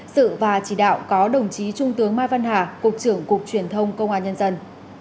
sự và chỉ đạo có đồng chí trung tướng mai văn hà cục trưởng cục truyền thông công an nhân dân